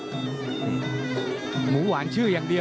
ส่วนคู่ต่อไปของกาวสีมือเจ้าระเข้ยวนะครับขอบคุณด้วย